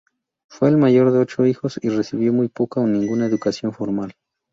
Fue el mayor de ocho hijos y recibió muy poca o ninguna educación formal.